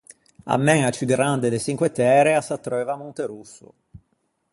A mæña ciù grande de Çinque Tære a s'attreuva à Monterosso.